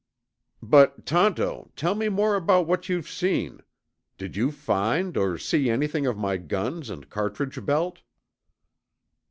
"But, Tonto, tell me more about what you've seen. Did you find or see anything of my guns and cartridge belt?"